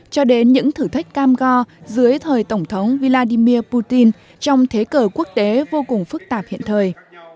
cho đến những thử thách cam go dưới thời tổng thống vladimir putin trong thế cờ quốc tế vô cùng phức tạp hiện thời